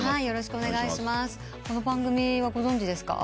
よろしくお願いします。